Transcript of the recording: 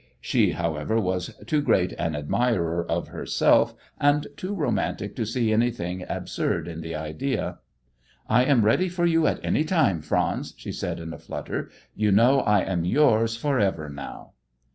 She, however, was too great an admirer of herself and too romantic to see anything absurd in the idea. "I am ready for you at any time, Franz," she said in a flutter. "You know I am yours for ever now."